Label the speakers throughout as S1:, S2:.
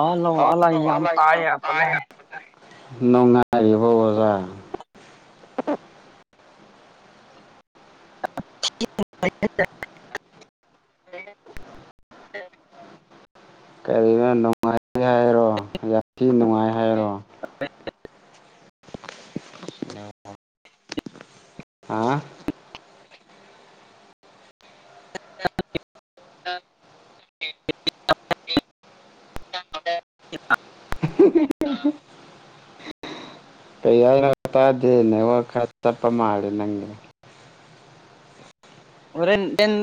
S1: ꯑꯥ ꯂꯧ ꯑꯂꯥꯏ ꯌꯥꯝ ꯇꯥꯏꯌꯦ ꯑꯂꯥꯏ
S2: ꯅꯨꯡꯉꯥꯏꯔꯤꯕ ꯑꯣꯖꯥ
S1: [inaudible]
S2: ꯀꯔꯤꯅꯣ ꯌꯥꯝꯊꯤ ꯅꯨꯡꯉꯥꯏ ꯍꯥꯏꯔꯣ ꯍꯥ
S1: ꯎ [inaudible] ꯌꯥ [inaudible]
S2: ꯀꯩ ꯇꯗꯅꯦ ꯋꯥ ꯈ ꯆꯄ ꯃꯥꯔꯤ ꯅꯪꯒꯤ
S1: ꯣꯔꯦꯟ ꯗꯦꯟ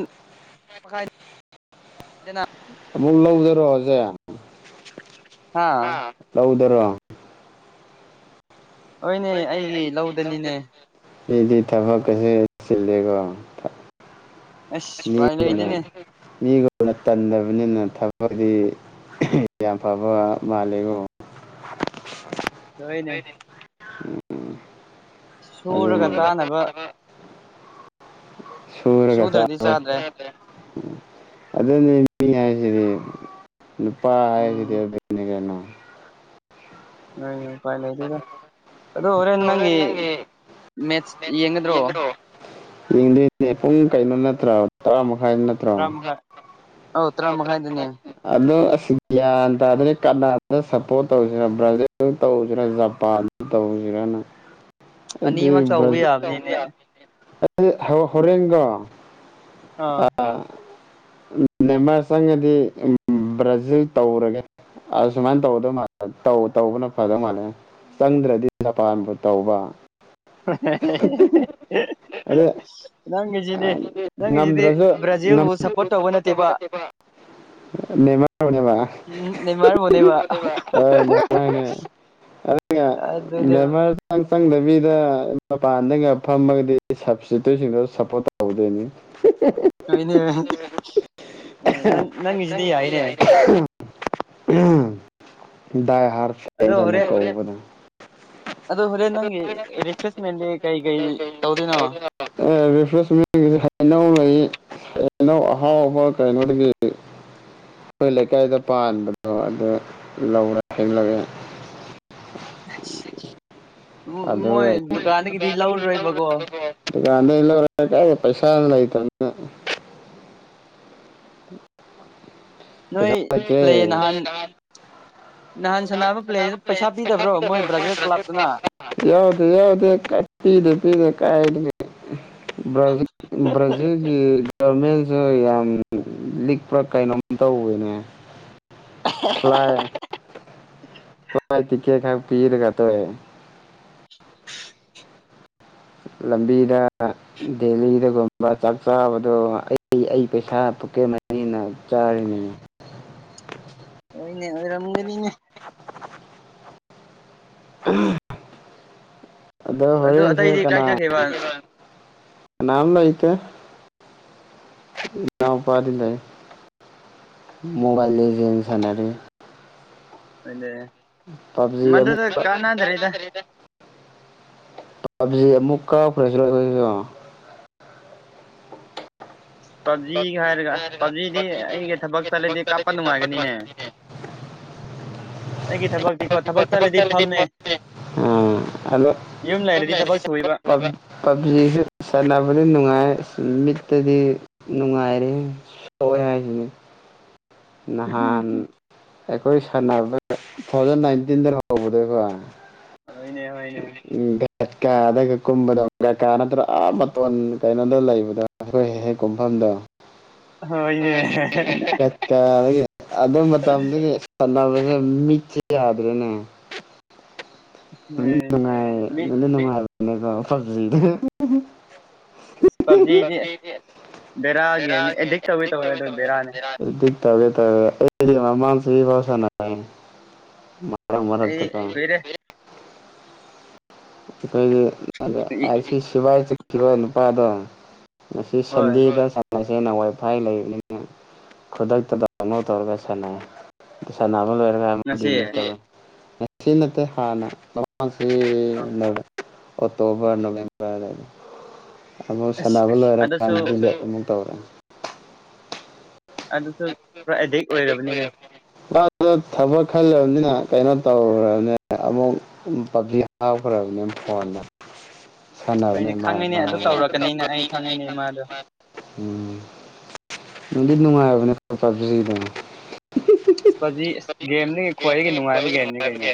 S1: ꯃꯈꯥꯏꯗꯅ [inaudible]
S2: ꯑꯃꯨꯛ ꯂꯧꯗꯔꯣꯁꯦ
S1: ꯍꯥ
S2: ꯂꯧꯗꯔꯣ
S1: ꯍꯣꯏꯅꯦ ꯑꯩꯒꯤ ꯂꯧꯗꯅꯤꯅꯦ
S2: ꯁꯤꯗꯤ ꯊꯕꯛꯀꯁꯨ ꯁꯤꯜꯂꯦꯀꯣ
S1: ꯑꯦꯁ ꯄꯥꯏ ꯂꯣ ꯏꯗꯅꯦ
S2: ꯃꯤꯒꯅ ꯇꯟꯗꯕꯅꯤꯅ ꯊꯕꯛꯗꯤ ꯌꯥꯝ ꯐꯕ ꯃꯥꯜꯂꯦꯉꯣ
S1: ꯍꯣꯏꯅꯦ
S2: ꯑꯗꯨꯅꯦ
S1: ꯁꯨꯔꯒ ꯆꯥꯅꯕ
S2: ꯁꯨꯔꯒ
S1: ꯁꯨꯗ꯭ꯔꯗꯤ
S2: ꯆꯥꯅꯕ
S1: ꯆꯥꯗ꯭ꯔꯦ
S2: ꯑꯗꯨꯅꯤ ꯃꯤ ꯍꯥꯏꯁꯤꯗꯤ ꯅꯨꯄꯥ ꯍꯥꯏꯁꯤꯗꯤ
S1: ꯎꯝ
S2: ꯑꯗꯨꯅꯤ ꯀꯩꯅꯣ
S1: ꯣꯏ ꯎꯄꯥꯏ ꯂꯩ ꯑꯗꯨꯗ ꯑꯗꯣ ꯍꯣꯔꯦꯟ ꯅꯪꯒꯤ ꯃꯦꯠꯁ ꯌꯦꯡꯒꯗ꯭ꯔꯣ
S2: ꯌꯦꯡꯗꯣꯏꯅꯦ ꯄꯨꯡ ꯀꯩꯅꯣ ꯅꯠꯇ꯭ꯔꯥ ꯇꯔꯥ ꯃꯈꯥꯏ ꯅ꯭ꯔ
S1: ꯇꯔꯥꯃꯥꯏ ꯑꯧ ꯇꯔꯥꯃꯥꯏꯗꯅꯦ
S2: ꯑꯗꯣ ꯑꯁꯤ ꯒ꯭ꯌꯥꯟ ꯇꯥꯗꯅ ꯀꯅꯥꯅ ꯁꯞꯄꯣꯔꯠ ꯇꯧꯁꯤꯔ ꯕ꯭ꯔꯥꯖꯤꯜ ꯇꯧꯁꯤꯔꯥ ꯖꯄꯥꯟ ꯇꯧꯁꯤꯔꯅ
S1: ꯑꯅꯤꯃꯛ ꯇꯧꯕ ꯌꯥꯕꯅꯤꯅꯦ
S2: ꯑꯩꯗꯤ ꯍꯔꯦꯟꯒꯣ
S1: ꯑꯥ
S2: ꯑꯤ [inaudible] ꯅꯦꯃꯥꯔ ꯆꯪꯉꯗꯤ ꯕ꯭ꯔꯥꯖꯤꯜ ꯇꯧꯔꯒꯦ ꯑꯁ ꯁꯨꯃꯥꯏꯅ ꯇꯧꯗꯧ ꯃꯥꯜꯂꯦ ꯇꯧꯕꯅ ꯐꯗꯧ ꯃꯥꯜꯂꯦ ꯆꯪꯗ꯭ꯔꯗꯤ ꯃꯄꯥꯟꯕꯨ ꯇꯧꯕ ꯑꯗ
S1: [inaudible] ꯅꯪꯒꯤꯁꯤꯗꯤ ꯅꯪꯒꯤꯁꯤꯗꯤ
S2: ꯉꯝꯗ꯭ꯔꯁꯨ
S1: ꯕ꯭ꯔꯥꯖꯤꯜꯕꯨ ꯁꯞꯄꯣꯔꯠ ꯇꯧꯕ ꯅꯠꯇꯦꯕ [unintelligible]
S2: ꯅꯃꯥꯅꯦꯕ
S1: ꯅꯦꯃꯥꯔꯕꯨꯅꯦꯕ
S2: ꯅꯃꯅꯦ ꯑꯩꯅ
S1: ꯑꯗꯨꯅꯦꯕ
S2: ꯗꯕꯔ ꯆꯪ ꯆꯪꯗꯕꯤꯗ ꯃꯄꯥꯟꯗꯒ ꯐꯝꯃꯒꯗꯤ ꯁꯞꯕꯁꯤꯇꯔꯤꯁꯤꯡꯗꯣ ꯁꯞꯄꯣꯔꯠ ꯇꯧꯍꯧꯗꯣꯏꯅꯤ ꯆ
S1: ꯍꯣꯏꯅꯦ ꯅꯪ
S2: ꯀ
S1: ꯅꯪꯒꯤꯁꯤꯗꯤ ꯌꯥꯏꯅꯦ
S2: ꯗ ꯍꯥꯔ
S1: ꯑꯗꯣ ꯍꯣꯔꯦꯟ ꯑꯗꯣ ꯍꯣꯔꯦꯟ ꯅꯪꯒꯤ ꯔꯤꯐ꯭ꯔꯦꯁꯃꯦꯟꯗꯤ ꯀꯩ ꯀꯩ ꯇꯧꯗꯣꯏꯅꯣ
S2: ꯑꯦ ꯔꯐ꯭ꯔ ꯍꯥꯏꯅ ꯂꯩ ꯩꯅꯣ ꯑꯍꯥꯎ ꯍꯍꯣ ꯀꯥꯏꯩꯅꯣꯠꯒ ꯑꯩꯈꯣꯏ ꯂꯩꯀꯥꯏꯗ ꯄꯥꯟꯕꯗꯣ ꯑꯗꯨ ꯂꯧꯔ ꯍꯦꯡꯂꯛꯑꯦ
S1: ꯎ
S2: ꯑꯗꯨ
S1: ꯃꯣꯏ ꯗꯨꯀꯥꯟꯗꯒꯤꯗꯤ ꯂꯧꯔꯣꯏꯕꯀꯣ
S2: ꯟꯗꯔ ꯄꯩꯁꯥ
S1: ꯅꯣꯏ
S2: ꯄꯩꯁꯥ
S1: ꯄ꯭ꯂꯦ ꯅꯍꯥꯟ
S2: ꯊꯦ
S1: ꯅꯍꯥꯟ ꯁꯥꯟꯅꯕ ꯄ꯭ꯂꯦꯗꯨ ꯄꯩꯁꯥ ꯄꯤꯗꯕ꯭ꯔꯣ ꯃꯣꯏ ꯕ꯭ꯔꯥꯖꯤꯜ ꯀ꯭ꯂꯕꯇꯨꯅ
S2: ꯭ꯂ ꯄꯗ ꯌꯎꯗ ꯌꯎꯗ ꯀ ꯄꯤꯗ ꯄꯤꯗ ꯀ ꯕ꯭ꯔꯥꯖꯤꯜꯒꯤ ꯣꯔꯃꯤꯜꯁꯨ ꯌꯥꯝ ꯂꯤꯛꯄ ꯀꯩꯅꯣ ꯇꯧꯋꯦꯅꯦ ꯁꯂꯥꯏ ꯇꯥꯏ ꯇꯀꯦ ꯈ ꯄꯤꯔ ꯀꯊꯣꯏꯋꯦ ꯂꯝꯕꯤꯗ ꯗꯦꯂꯤꯗꯒꯨꯝꯕ ꯆꯥꯛ ꯆꯥꯕꯗꯣ ꯑꯩ ꯑꯩ ꯄꯩꯁꯥ ꯄꯀꯦꯕꯅꯤꯅ ꯆꯥꯔꯤꯅꯤ
S1: ꯑꯣꯏꯅꯦꯔꯝꯒꯦꯅꯤꯅꯦ
S2: [unintelligible] ꯎꯝ ꯑꯗꯣ
S1: ꯑꯗꯨ
S2: ꯍꯣꯔꯦꯟꯡꯁꯦ
S1: ꯑꯇꯩꯗꯤ ꯀꯥꯏ
S2: ꯀꯅꯥ
S1: ꯆꯠꯈꯤꯕ
S2: ꯀꯅꯥꯅ ꯂꯣ ꯏꯀꯦ ꯌꯥꯄꯥꯗ ꯃꯣꯕꯥꯜ ꯁꯅꯔꯦ
S1: ꯑꯗꯨꯗꯦ
S2: ꯄꯞꯖꯤ ꯑꯃꯨꯛ
S1: ꯃꯗꯨꯗ ꯀꯥꯟꯅꯗ꯭ꯔꯦ ꯏꯗ
S2: ꯄꯞꯖꯤ ꯑꯃꯨꯛ ꯀꯥꯎꯈ꯭ꯔꯦꯁꯤꯣ
S1: ꯄꯞꯖꯤꯒ ꯍꯥꯏꯔꯒ ꯄꯞꯖꯤꯗꯤ ꯑꯩꯒꯤ ꯊꯕꯛ ꯆꯠꯂꯗꯤ ꯀꯥꯞꯄ ꯅꯨꯡꯉꯥꯏꯒꯅꯤꯅꯦ ꯑꯩꯒꯤ ꯊꯕꯛꯇꯤꯀꯣ ꯊꯕꯛ ꯆꯠꯂꯗꯤ ꯐꯝꯃꯦ
S2: ꯍꯜꯂꯣ
S1: ꯌꯨꯝ ꯂꯩꯔꯗꯤ ꯊꯕꯛ ꯁꯨꯏꯕ
S2: ꯄꯞꯖꯤꯁꯨ ꯁꯥꯟꯅꯕꯗꯤ ꯅꯨꯡꯉꯥꯏ ꯃꯤꯠꯇꯗꯤ ꯅꯨꯡꯉꯥꯏꯔꯦ ꯁꯣꯛꯑꯦ ꯍꯥꯏꯁꯤꯅꯤ ꯅꯍꯥꯟ ꯑꯩꯈꯣꯏ ꯁꯥꯟꯅꯕꯗ ꯇꯨ ꯊꯥꯎꯖꯟ ꯅꯥꯏꯟꯇꯤꯟꯗ ꯍꯧꯕꯗꯀꯣ
S1: ꯍꯅꯦ ꯍꯅꯦ
S2: ꯀꯀꯥꯗꯒ ꯀꯨꯝꯕꯗꯣ ꯀꯀꯥ ꯅꯠꯇ꯭ꯔꯒ ꯑꯥꯞ ꯃꯇꯣꯟ ꯀꯩꯅꯣꯗ ꯂꯩꯕꯗꯣ ꯑꯩꯈꯣꯏ ꯍꯦꯛ ꯍꯦꯛ ꯀꯨꯝꯐꯝꯗꯣ
S1: ꯍꯅꯦ
S2: ꯀ ꯑꯗꯨ ꯃꯇꯝꯗꯨꯗꯤ ꯁꯥꯟꯅꯕꯁ ꯃꯤꯠꯁꯦ ꯌꯥꯗ꯭ꯔꯦꯅꯦ ꯅ
S1: ꯎꯝ
S2: ꯅꯨꯡꯉꯥꯏ
S1: ꯃꯤ
S2: ꯅꯅ ꯅꯨꯡꯉꯥꯏ ꯐꯖꯗ
S1: ꯄꯞꯖꯤꯗꯤ ꯑꯁ ꯕꯦꯔꯥꯒꯤꯒꯦꯝꯅꯤ ꯑꯦꯗꯤꯛ ꯇꯧꯋꯤ ꯇꯧꯋꯦ ꯑꯗꯨ ꯕꯦꯔꯥꯅꯤ
S2: ꯦꯔꯤꯌꯥ ꯃꯁꯤꯁ ꯃꯔꯔ ꯃꯔꯔꯗ
S1: ꯑꯩ
S2: ꯇꯥꯏ
S1: ꯀꯨꯏꯔꯦ
S2: ꯣꯏ
S1: ꯏ
S2: ꯑ ꯁꯤꯕꯥꯏ ꯈꯔꯣ ꯅꯨꯄꯥꯗ ꯉꯁꯤ
S1: ꯍꯣꯏ
S2: ꯁꯟꯗꯦꯗ ꯆꯥꯟꯅꯁꯦꯅ ꯋꯥꯏꯐꯥꯏ ꯂꯩꯕꯅꯤꯅ ꯈꯨꯗꯛꯇ ꯗꯥꯎꯂꯣ ꯇꯧꯔꯒ ꯁꯥꯟꯅꯩ ꯁꯥꯟꯅꯕ ꯂꯣꯏꯔꯒ
S1: ꯉꯁꯤ
S2: ꯠꯇ ꯅꯠꯇꯦ ꯍꯥꯟꯅ
S1: ꯑꯥ
S2: ꯑꯣꯛꯇꯨꯕꯔ ꯅꯕꯦꯝꯕꯔ ꯑꯣ
S1: ꯑꯁ
S2: ꯁꯥꯟꯅꯕ
S1: ꯑꯗꯨꯁꯨ
S2: ꯂꯣꯏꯔꯒꯨ ꯇꯧꯔꯦ
S1: ꯑꯗꯨꯁꯨ ꯄꯨꯔꯥ ꯑꯦꯗꯤꯛ ꯑꯣꯏꯔꯕꯅꯤꯅꯦ
S2: ꯑ ꯊꯕꯛ ꯈꯜꯂꯕꯅꯤꯅ ꯀꯩꯅꯣ ꯇꯧꯅꯦ ꯑꯃꯨꯛ ꯄꯞꯖꯤ ꯍꯕ ꯄ꯭ꯔꯣꯕ꯭ꯂꯦꯝ ꯐꯣꯟꯗ ꯁꯥꯟꯅꯕꯅꯦ
S1: ꯍꯣꯏꯅꯦ
S2: ꯃꯥ
S1: ꯈꯪꯉꯤꯅꯦ ꯑꯗꯨ
S2: ꯃꯔꯛ ꯃꯔꯛꯇ
S1: ꯇꯧꯔꯛꯀꯅꯤꯅ ꯑꯩ ꯈꯪꯉꯤꯅꯦ ꯏꯃꯥꯗꯣ
S2: ꯎꯝ ꯅꯨꯡꯗꯤ ꯅꯨꯡꯉꯥꯏꯕꯅꯤ [unintelligible]
S1: ꯄꯥꯞꯖꯤ ꯑꯁ ꯒꯦꯝꯅꯤ ꯈ꯭ꯋꯥꯏꯗꯒꯤ ꯅꯨꯡꯉꯥꯏꯕ ꯒꯦꯝꯅꯤ ꯀꯩꯅꯣ꯫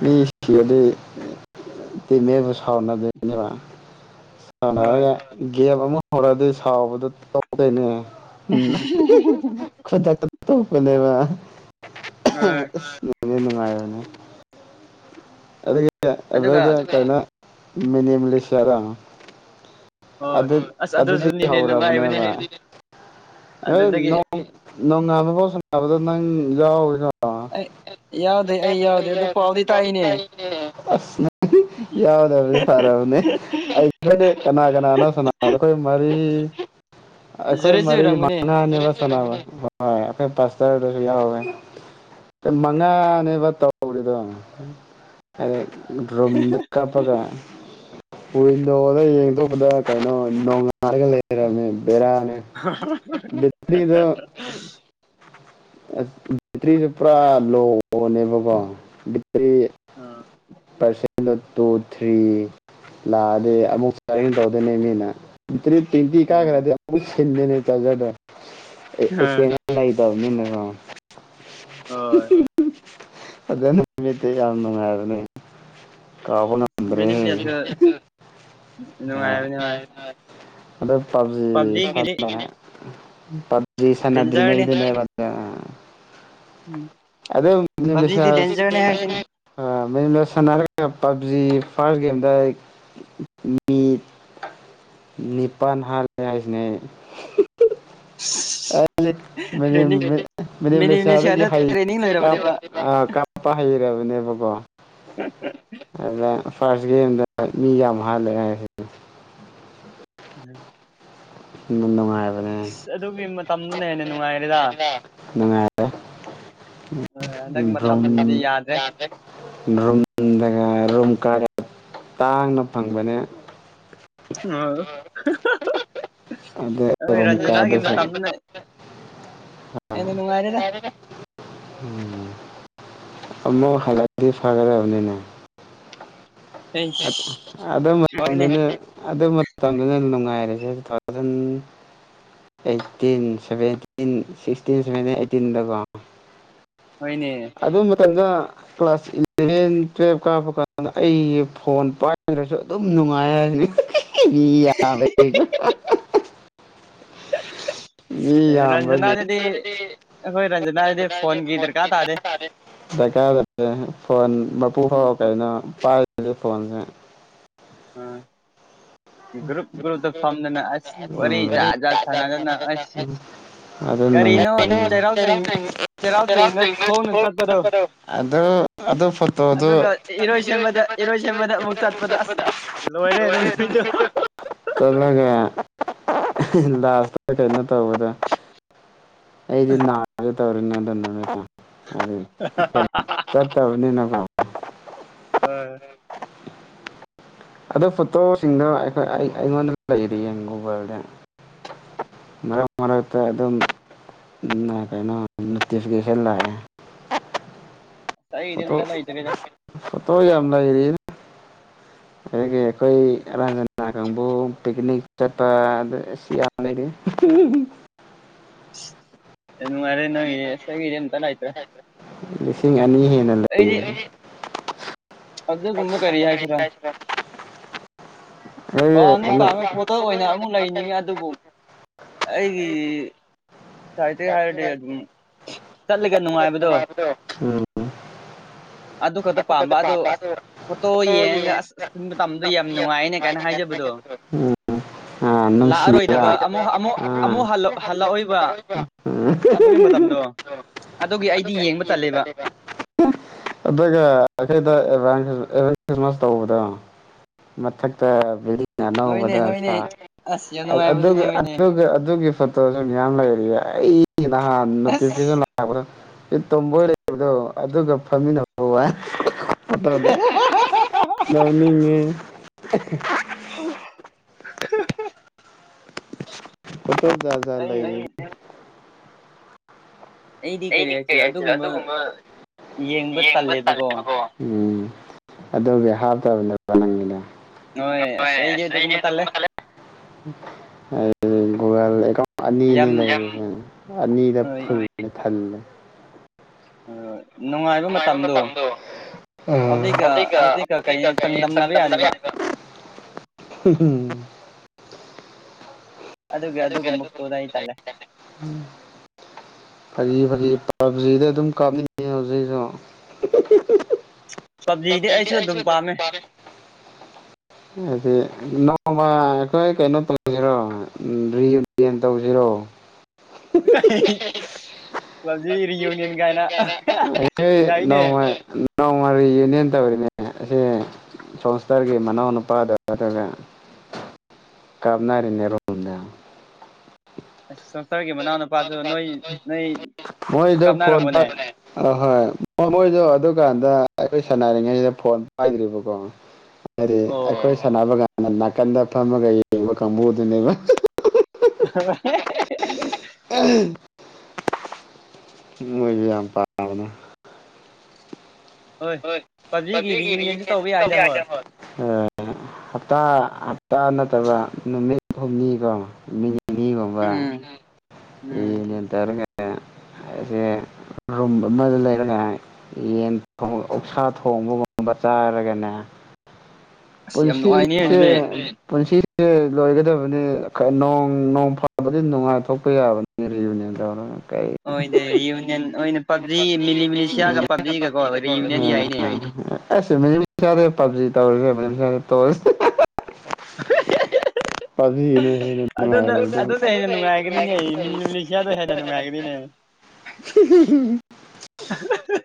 S2: ꯃꯤꯁꯤꯔꯗꯤ꯫ [unintelligible]
S1: ꯍꯣꯏ
S2: ꯁꯥꯎꯅꯔꯒ ꯒꯦꯝ ꯑꯃ ꯍꯧꯔꯛꯑꯗꯤ ꯁꯥꯎꯕꯁꯨ ꯇꯣꯛꯇꯨꯏꯅꯤ꯫
S1: [unintelligible]
S2: ꯈꯨꯗꯛꯇ ꯊꯣꯛꯄꯅꯦꯕ
S1: ꯍꯣꯏ
S2: ꯑꯁ ꯅꯨꯡꯗꯤ ꯅꯨꯡꯉꯥꯏꯕꯅꯦ꯫ ꯑꯗꯒꯤ
S1: ꯑꯗꯨꯒ
S2: ꯑꯗꯨꯗ ꯀꯩꯅꯣ ꯃꯤꯅꯤꯃꯤꯂꯤꯁꯤꯌꯥꯔ꯫
S1: ꯍꯣꯏ
S2: ꯑꯗꯨ
S1: ꯑꯁ
S2: ꯑꯗꯨꯗꯤ
S1: ꯑꯗꯨꯁꯨꯅꯤꯅꯦ
S2: ꯍꯧꯔꯕꯅꯦꯕ꯫
S1: ꯅꯨꯡꯉꯥꯏꯕꯅꯤꯅꯦ
S2: ꯑꯦ
S1: ꯑꯗꯨꯗꯒꯤ
S2: ꯅꯣꯡ ꯅꯣꯡꯉꯥꯟꯕ ꯕꯥꯥꯎ ꯁꯅꯕꯗꯨ ꯅꯪ ꯌꯥꯎꯌꯤꯀꯣ
S1: ꯑꯩ ꯌꯥꯎꯗꯦ ꯑꯩ ꯌꯥꯎꯗꯦ
S2: [inaudible]
S1: ꯑꯗꯣ ꯄꯥꯎꯗꯤ ꯇꯥꯛꯏꯅꯦ
S2: ꯌꯥꯎꯗꯕꯅꯤ ꯐꯔꯕꯅꯦ ꯑꯩ ꯀꯅꯥ ꯀꯅꯥꯅꯣ ꯁꯥꯅ ꯑꯩꯈꯣꯏ ꯃꯔꯤ ꯑꯩꯈꯣꯏ
S1: ꯖꯨꯔꯦꯁꯨ
S2: ꯃꯔꯤ ꯃꯉꯥ
S1: ꯑꯣꯏꯔꯝꯒꯅꯤ
S2: ꯉꯥꯅꯦꯕ ꯁꯥꯅꯕ ꯍꯣꯏ ꯑꯩꯗꯣꯏ ꯄꯥꯁꯇꯗꯨꯁꯨ ꯌꯥꯎꯏ꯫ ꯃꯉꯥꯅꯦꯕ ꯇꯧꯔꯤꯗꯣ [unintelligible] ꯀꯞꯄꯒ ꯋꯤꯟꯗꯣꯗ ꯌꯦꯡꯗꯣꯛꯄꯗ ꯀꯩꯅꯣ ꯅꯣꯡꯉꯥꯜꯂꯒ ꯂꯩꯔꯝ ꯔꯝꯃꯦ ꯕꯦꯔꯅꯦ꯫
S1: [unintelligible]
S2: ꯕꯦꯠꯇ꯭ꯔꯤꯗꯣ꯫ ꯑꯁ ꯕꯦꯠꯇ꯭ꯔꯤꯁꯦ ꯄꯨꯔꯥ ꯂꯣꯅꯦꯕꯀꯣ ꯕꯦꯠꯇ꯭ꯔꯤ
S1: ꯑ꯫
S2: ꯄꯥꯔꯁꯦꯟ ꯗꯣ ꯇꯨ ꯊ꯭ꯔꯤ꯫ ꯂꯥꯛꯑꯗꯤ ꯑꯃꯨꯛ ꯀꯔꯤꯡ ꯇꯧꯗꯣꯏꯅꯦ ꯃꯤꯅ꯫ ꯕꯦꯠꯇ꯭ꯔꯤ ꯇꯣꯋꯦꯟꯇꯤ
S1: ꯎꯝ
S2: ꯀꯥꯒꯔꯗꯤ ꯑꯃꯨꯛ ꯁꯤꯜꯂꯤꯅꯦ ꯆꯥꯖꯔꯗꯣ [unintelligible] ꯂꯦꯇꯕ ꯅꯤꯅ ꯀꯣ꯫
S1: ꯍꯣꯏ
S2: ꯐꯖꯅ ꯃꯦꯠꯄ ꯅꯨꯡꯉꯥꯏ ꯍꯥꯏꯕꯅꯦ꯫
S1: ꯃꯤꯅꯤꯃꯤ ꯑꯁꯨ ꯅꯨꯡꯉꯥꯏꯕ [unintelligible]
S2: ꯑꯗꯨ ꯄꯥꯞꯖꯤ ꯁꯥꯟꯅ ꯄꯥꯞꯖꯤ
S1: ꯗꯦꯟꯖꯔꯅꯤ
S2: ꯁꯥꯟꯅꯗꯔꯤꯉꯩꯗꯅꯦꯕ꯫
S1: ꯎꯝ
S2: ꯑꯗꯨꯝ
S1: ꯄꯞꯖꯤꯗꯤ ꯗꯦꯟꯖꯔꯅꯦ ꯍꯥꯏꯁꯤꯅꯤ
S2: [unintelligible] ꯃꯌꯨꯝꯗ ꯁꯥꯟꯅꯔꯒ ꯄꯞꯖꯤ ꯐꯥꯔꯁ ꯒꯦꯝꯗ ꯑꯩ ꯃꯤ ꯅꯤꯄꯥꯟ ꯍꯥꯠꯂꯦ ꯍꯥꯏꯁꯤꯅꯦ
S1: ꯇ꯭ꯔꯦꯅꯤꯡ ꯃꯤꯅꯤꯃꯤꯅꯤꯁꯤꯌꯥꯗ
S2: ꯑꯩꯅ꯫
S1: ꯇ꯭ꯔꯦꯅꯤꯡ ꯂꯣꯏꯔꯕꯅꯦꯕ
S2: [inaudible] ꯑ ꯀꯞꯄ ꯍꯩꯔꯕꯅꯦꯕꯀꯣ꯫ ꯑꯗꯨꯗ ꯐꯥꯔꯁ ꯒꯦꯝꯗ ꯃꯤ ꯌꯥꯝ ꯍꯥꯜꯂ꯫
S1: [inaudible]
S2: ꯅꯨꯡꯉꯥꯏꯕ
S1: ꯑꯁ ꯑꯗꯨꯒꯤ ꯃꯇꯝꯗꯨꯅ ꯍꯦꯟꯅ ꯅꯨꯡꯉꯥꯏꯔꯦꯗ꯫
S2: ꯅꯨꯡꯉꯥꯏꯔꯦ꯫
S1: ꯍꯣꯏ ꯍꯟꯗꯛ
S2: ꯗ꯭ꯔꯨꯝ
S1: ꯃꯇꯝꯁꯤꯗꯤ ꯌꯥꯗ꯭ꯔꯦ꯫
S2: [unintelligible] ꯇꯥꯡꯅ ꯐꯪꯕꯅꯦ꯫
S1: ꯎ
S2: ꯑꯗꯨ
S1: ꯑꯈꯣꯏ
S2: ꯔꯨꯝ
S1: ꯔꯟꯖꯅꯥꯒꯤ
S2: ꯀꯥꯗꯨꯁꯨ
S1: ꯃꯇꯝꯗꯨꯅ ꯑꯦꯟꯅ ꯅꯨꯡꯉꯥꯏꯔꯦꯗ꯫
S2: ꯎꯝ꯫ ꯑꯃꯣꯛ ꯍꯥꯜꯂꯛꯀꯦ ꯐꯒꯔꯕꯅꯤꯅꯦ꯫
S1: ꯑꯩꯁ
S2: ꯑꯗꯨ
S1: ꯍꯣꯏꯅꯦ
S2: ꯃꯇꯝꯗꯨꯅ ꯑꯗꯨ ꯃꯇꯝꯗꯨꯅ ꯅꯨꯡꯉꯥꯏꯔꯤꯁꯦ two [unintelligible] eighteen seventeen sixteen seventeen ꯑꯩꯠꯇꯤꯟꯗꯀꯣ꯫
S1: ꯍꯣꯏꯅꯦ꯫
S2: ꯑꯗꯨ ꯃꯇꯝꯗ ꯀ꯭ꯂꯥꯁ ꯏꯂꯚꯦꯟ ꯇꯨꯋꯜꯕ ꯀꯥꯞꯄ ꯀꯥꯟꯗ ꯑꯩꯒꯤ ꯐꯣꯟ ꯄꯥꯏꯗ꯭ꯔꯁꯨ ꯑꯗꯨꯝ ꯅꯨꯡꯉꯥꯏ ꯍꯥꯏꯅꯤ꯫ ꯌꯥꯕꯒ [unintelligible] ꯌꯥꯝꯕꯒꯤ
S1: ꯔꯟꯖꯅꯥꯗꯗꯤ ꯍꯣꯏ ꯔꯟꯖꯅꯥꯗꯤ ꯐꯣꯟꯒꯤ ꯗꯔꯀꯥ ꯇꯥ
S2: ꯗꯔꯀꯥꯔ ꯂꯩꯦ ꯐꯣꯟ ꯃꯄꯨ
S1: ꯎꯝ
S2: ꯐꯥꯎ
S1: ꯐꯣꯟ
S2: ꯀꯩꯅꯣ ꯄꯥꯏꯔꯤꯁꯦ ꯐꯣꯟꯁꯦ
S1: ꯑꯥ ꯒ꯭ꯔꯨꯞ ꯒ꯭ꯔꯨꯞꯇ ꯐꯝꯗꯅ ꯑꯁ ꯋꯥꯔꯤ
S2: ꯎꯝ
S1: ꯆꯥ ꯖꯠ ꯁꯥꯟꯅꯗꯅ ꯑꯁ ꯀꯔꯤꯅꯣ ꯆꯩꯔꯥꯎ ꯆꯤꯡ ꯆꯩꯔꯥꯎ ꯆꯤꯡꯗ ꯈꯣꯡꯅ ꯆꯠꯄꯗꯣ
S2: ꯑ ꯑꯗꯨ ꯐꯠꯇ ꯑꯗꯨ
S1: ꯑꯗꯨꯒ ꯏꯔꯣꯏ ꯁꯦꯝꯕꯗ ꯏꯔꯣꯏ ꯁꯦꯝꯕꯗ ꯑꯃꯨꯛ ꯆꯠꯄꯗ ꯑꯁ ꯂꯣꯏꯔꯦ ꯑꯗꯨꯠꯇꯣ
S2: ꯆꯠꯂꯒ ꯂꯥꯁꯇ ꯀꯩꯅꯣ ꯇꯧꯕꯗ ꯑꯩꯗꯤ ꯅꯔꯦ ꯇꯧꯅꯤꯡꯦ ꯑꯗꯨꯅ ꯆꯠ ꯆꯕꯅꯤꯅ ꯀ
S1: ꯑ
S2: ꯑꯗꯨꯗ ꯐꯣꯇꯣꯁꯤꯡꯗꯣ ꯑꯩꯈꯣꯏ ꯑꯩꯉꯣꯟꯗ ꯂꯩꯔꯤꯌꯦ ꯒꯨꯒꯜꯗ ꯃꯔꯛ ꯃꯔꯛꯇ ꯑꯗꯨꯝ ꯀꯩꯅꯣ ꯅꯣꯇꯤꯐꯤꯀꯦꯁꯟ ꯂꯥꯛꯑꯦ
S1: ꯁꯗꯤꯟꯇ ꯍꯥꯏꯗꯔꯗ
S2: ꯐꯇꯣ ꯌꯥꯝꯅꯒꯔꯤ ꯑꯗꯒꯤ ꯑꯩꯈꯣꯏ ꯑꯖꯅꯥ ꯀꯥꯡꯕꯨ ꯄꯤꯛꯅꯤꯛ ꯆꯠꯄ ꯍꯅꯦꯦ
S1: ꯅꯨꯡꯉꯔꯦ ꯅꯪꯁꯒꯤꯔꯤ ꯇꯔ ꯍꯥꯏꯥꯏꯇ꯭ꯔ
S2: ꯂꯤꯁꯤꯡ ꯑꯅꯤ ꯍꯦꯟꯅ ꯂꯩꯦ
S1: ꯑꯩꯗꯤ ꯑꯗꯨꯒꯨꯝꯕ ꯀꯔꯤ ꯍꯥꯏꯁꯤꯔꯥ
S2: ꯄ
S1: ꯄꯥꯝꯗꯤ ꯄꯥꯝꯃꯦ
S2: ꯀꯁꯤ
S1: ꯐꯣꯇꯣ ꯑꯣꯏꯅ ꯑꯃꯨꯛ ꯂꯩꯅꯤꯡꯉꯦ ꯑꯗꯨꯕꯨ
S2: ꯑꯩ
S1: ꯑꯩꯒꯤ ꯉꯥꯏꯇꯩ ꯍꯥꯏꯔꯗꯤ ꯑꯗꯨꯝ ꯆꯠꯂꯒ ꯅꯨꯡꯉꯥꯏꯕꯗꯣ
S2: ꯎꯝ
S1: ꯑꯗꯨ ꯈꯛꯇ ꯄꯥꯝꯕ
S2: ꯄꯗ꯭ꯔꯦ ꯀ
S1: ꯑꯗꯣ
S2: ꯑ
S1: ꯑꯁ ꯐꯣꯇꯣ ꯌꯦꯡꯉꯒ ꯑꯁ ꯑꯁ ꯃꯇꯝꯗꯣ ꯌꯥꯝ ꯅꯨꯡꯉꯥꯏꯅꯦ ꯀꯥꯏꯅ ꯍꯥꯏꯖꯕꯗꯣ ꯂꯥꯛꯑꯔꯣꯏꯗꯕ ꯑꯃꯨꯛ ꯑꯃꯨꯛ ꯑꯃꯨꯛ ꯍꯜꯂꯛꯑꯣꯏꯕ
S2: ꯑ ꯁꯤ
S1: ꯑꯗꯨꯒꯤ ꯃꯇꯝꯗꯣ ꯑꯗꯨꯒꯤ
S2: ꯑꯗꯨ
S1: ꯑꯩꯗꯤ
S2: ꯀ ꯌꯦꯡꯕ
S1: ꯇꯜꯂꯦꯕ
S2: ꯆꯜꯂꯦꯕ ꯑꯗꯨꯗꯒ ꯚ ꯈ꯭ꯔꯤꯁꯃꯥꯁ ꯇꯧꯕꯗꯣ ꯃꯊꯛꯇ
S1: ꯍꯣꯏꯅꯦ
S2: ꯑꯅꯧꯕꯗꯒꯤ
S1: ꯍꯣꯏꯅꯦ ꯑꯁ ꯌꯥꯝ ꯅꯨꯡꯉꯥꯏꯕꯅꯤꯅꯦ ꯍꯣꯏꯅꯦ
S2: ꯂꯩꯦ ꯑꯩ ꯅꯍ
S1: ꯑꯁ
S2: ꯭ꯔ ꯇꯣꯝꯕꯣꯏ ꯂꯩꯕꯗꯣ ꯑꯗꯨꯒ ꯐꯝꯃꯤꯟꯅ ꯋꯥ ꯭ꯔꯗ ꯗꯔꯃꯤ ꯀꯠꯇ ꯌꯥꯥꯖꯥ
S1: ꯑꯩ
S2: ꯂꯩꯅꯤ ꯍ ꯑꯩꯗꯤ ꯀꯩ ꯍꯥꯏꯁꯤꯔꯣ ꯑꯗꯨꯒꯨꯝꯕ ꯌꯦꯡꯕ ꯇꯜꯂꯦꯕꯀꯣ ꯎꯝ ꯑꯗꯨꯒꯤ ꯍꯥꯞꯇꯕꯗ ꯅꯪꯒꯤꯅꯦ
S1: ꯍꯣꯏ ꯑꯁ ꯑꯩꯗꯤ ꯑꯗꯨꯒꯨꯝꯕ ꯇꯜꯂꯦ
S2: ꯨꯒ ꯑꯅꯤꯅꯦ
S1: ꯌꯥꯝ
S2: ꯂꯩꯔꯦ ꯑꯅꯤꯗ ꯐꯨꯂꯦ ꯊꯜꯂꯦ
S1: ꯅꯨꯡꯉꯥꯏꯕ ꯃꯇꯝꯗꯣ ꯍꯧꯖꯤꯛꯀ
S2: ꯍꯧꯒ
S1: ꯍꯧꯖꯤꯛꯀ
S2: ꯍꯧꯖꯤ
S1: ꯀꯩ
S2: ꯀ
S1: ꯆꯥꯡꯗꯝꯅꯕ
S2: ꯁꯪꯗꯝꯝꯅꯔ
S1: ꯌꯥꯗꯦꯕ
S2: ꯍꯥꯏꯒ ꯝ
S1: ꯑꯗꯨꯒꯤ ꯑꯗꯨꯒꯨꯝ ꯐꯗꯥꯏꯇꯂꯦ
S2: ꯎꯝ ꯐꯖꯤ ꯐꯔꯤ ꯄꯖꯤꯗ ꯑꯗꯨꯝ ꯀꯥꯞꯅꯤꯡꯉꯦ ꯍꯧꯖꯤꯛꯁꯨ
S1: ꯄꯞꯖꯤꯗꯤ ꯑꯩꯁꯨ ꯑꯗꯨꯝ ꯄꯥꯝꯃꯦ
S2: ꯍꯥꯏꯗꯤ ꯅꯣꯡꯃ ꯑꯩꯈꯣꯏ ꯀꯩꯅꯣ ꯇꯧꯁꯤꯔꯣ ꯔꯤꯌꯨꯅꯤꯌꯟ ꯇꯧꯁꯤꯔꯣ
S1: ꯑꯩ ꯍꯧꯖꯤ ꯔꯤꯌꯨꯅꯤꯌꯟ ꯀꯥꯏꯅ ꯌꯥꯏꯅꯦ
S2: ꯅꯧꯃꯔꯤ ꯌꯧꯅꯦꯅ ꯇꯧꯔꯤꯅꯦ ꯑꯁꯤꯁꯦ ꯖꯣꯟꯁꯊꯔꯒꯤ ꯃꯅꯤꯎꯅꯤꯄꯥ ꯗ ꯑꯗꯨꯒ ꯀꯥꯞꯅꯔꯤꯅꯦ ꯔꯣꯝꯗ
S1: ꯏꯁ ꯖꯣꯟꯁꯊꯔꯒꯤ ꯃꯅꯥꯎꯅꯨꯄꯥꯗꯨ ꯅꯣꯏ ꯅꯣꯏ
S2: ꯃꯣꯏꯗꯣ ꯐꯣꯟ
S1: ꯀꯥꯞꯔꯕꯅꯦ
S2: ꯄꯥꯏ ꯑꯍꯣꯏ ꯃꯣꯏꯁꯨ ꯑꯗꯨꯀꯥꯟꯗ ꯑꯩꯈꯣꯏ ꯁꯥꯟꯅꯔꯤꯉꯩꯗ ꯐꯣꯟ ꯄꯥꯏꯗ꯭ꯔꯤꯕꯀꯣ
S1: [unintelligible]
S2: ꯍꯥꯏꯗꯤ ꯑꯩꯈꯣꯏ
S1: ꯑꯣ
S2: ꯁꯥꯟꯅꯕ ꯀꯥꯟꯗ ꯅꯥꯀꯟꯗ ꯐꯝꯃꯒ ꯌꯦꯡꯕ ꯀꯥꯡꯕꯨꯗꯨꯅꯦꯕ
S1: ꯑ
S2: ꯃꯣꯌ ꯌꯥꯝ ꯄꯥꯝꯕꯅꯦ ꯍꯣꯏ
S1: ꯄꯞꯖꯤꯒꯤ
S2: ꯄꯞꯖꯤꯗꯤ
S1: ꯔꯤꯌꯨꯅꯤꯌꯟꯁꯨ
S2: ꯔꯤꯌꯨꯅꯤꯌꯟ ꯇꯧꯕ
S1: ꯌꯥꯏꯗ
S2: ꯌꯥꯅꯤ ꯍꯣꯏ ꯍꯞꯇꯥ ꯍꯞꯇꯥ ꯅꯠꯇꯕ ꯅꯨꯃꯤꯠ ꯍꯨꯝꯅꯤꯀꯣ ꯅꯤ ꯅꯤꯅꯤ ꯒꯨꯝꯕ
S1: ꯎꯝ ꯎꯝ
S2: ꯔꯤꯌꯨꯅꯤꯌꯟ ꯇꯧꯔꯒ ꯑꯩꯁꯦ ꯔꯨꯝ ꯑꯃꯗ ꯂꯩꯔꯦ ꯌꯦꯟ ꯑꯣꯛꯁꯥ ꯊꯣꯡꯕꯒꯨꯝꯕ ꯆꯥꯔꯒꯅꯦ
S1: ꯑꯁ ꯌꯥꯝ
S2: ꯄꯨꯟꯁꯤꯁꯦ
S1: ꯅꯨꯡꯉꯥꯏꯅꯦ ꯑꯗꯨꯗꯤ
S2: ꯄꯨꯟꯁꯤ ꯄꯨꯟꯁꯤꯁꯦ ꯂꯣꯏꯒꯗꯕꯅꯤ ꯅꯣꯡ ꯅꯣꯡ ꯐꯥꯗꯣꯛꯇꯤ ꯅꯨꯡꯉꯥꯏꯊꯣꯛꯄ ꯌꯥꯕꯅꯤ ꯔꯤꯌꯨꯅꯤꯌꯟ ꯇꯧꯔꯒ ꯀꯩ
S1: ꯑꯣꯏꯅꯦ ꯔꯤꯌꯨꯅꯤꯌꯟ ꯑꯣꯏꯅ ꯄꯕꯖꯤ ꯃꯤꯂꯤꯁꯤꯌꯥꯒ ꯄꯕꯖꯤꯒꯀꯣ ꯔꯤꯌꯨꯅꯤꯌꯟ ꯌꯥꯏꯅꯦ
S2: ꯁ ꯃꯤꯂꯤꯃꯤꯁꯤꯔꯦ ꯄꯕꯖꯤ ꯇꯧꯔꯁꯦ ꯃꯤꯂꯤꯃꯤꯁꯤꯔꯥ ꯇꯧꯛꯑꯁꯦ
S1: [unintelligible]
S2: ꯍꯦꯟꯅ
S1: ꯑꯗꯨꯅ
S2: ꯅꯨꯡꯉꯥꯏꯔꯕꯗꯨꯕꯨ
S1: ꯑꯗꯨꯅ ꯍꯦꯟꯅ ꯅꯨꯡꯉꯥꯏꯒꯅꯤꯅꯦ ꯃꯤꯂꯤꯃꯤꯁꯤꯌꯥꯅ ꯍꯦꯟꯅ ꯅꯨꯡꯉꯥꯏꯒꯅꯤꯅꯦ
S2: ꯎ